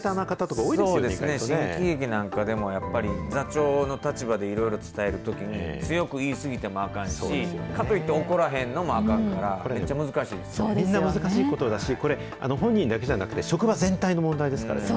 そうですね、新喜劇なんかでもやっぱり、座長の立場でいろいろ伝えるときに、強く言い過ぎてもあかんし、かといって怒らへんのもあかんから、みんな難しいことだし、これ、本人だけじゃなくて、職場全体の問題ですからね。